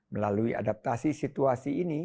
melalui adaptasi situasi ini